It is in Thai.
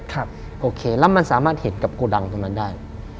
โอเคแล้วมันสามารถเห็นกับโกดังตรงนั้นได้